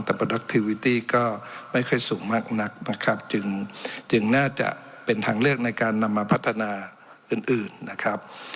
แต่ก็ไม่ค่อยสูงมากนักนะครับจึงจึงน่าจะเป็นทางเลือกในการนำมาพัฒนาอื่นอื่นนะครับ